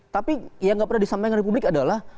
tapi yang gak pernah disampaikan ke republik adalah